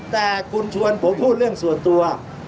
แต่คุณชวนผมพูดเรื่องส่วนตัว